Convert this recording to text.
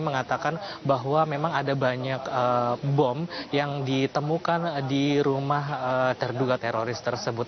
mengatakan bahwa memang ada banyak bom yang ditemukan di rumah terduga teroris tersebut